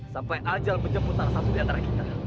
sampai ajal menjemput salah satu diantara kita